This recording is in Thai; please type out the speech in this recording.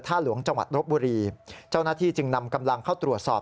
หลวงจังหวัดรบบุรีเจ้าหน้าที่จึงนำกำลังเข้าตรวจสอบ